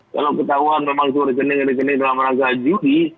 kalau ketahuan memang itu rekening rekening dalam rangka judi